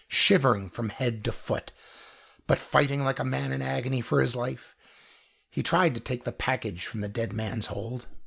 Shivering from head to foot, but fighting like a man in agony for his life, he tried to take the package from the dead man's hold.